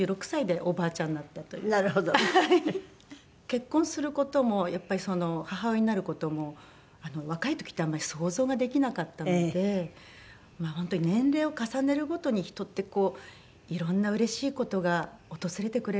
結婚する事もやっぱり母親になる事も若い時ってあんまり想像ができなかったので本当に年齢を重ねるごとに人ってこういろんなうれしい事が訪れてくれるなって